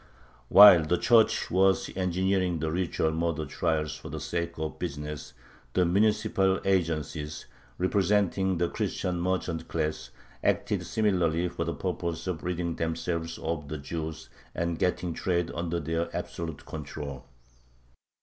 While the Church was engineering the ritual murder trials for the sake of "business," the municipal agencies, representing the Christian merchant class, acted similarly for the purpose of ridding themselves of the Jews and getting trade under their absolute control.